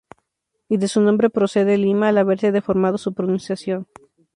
Y de su nombre procede Lima al haberse deformado su pronunciación.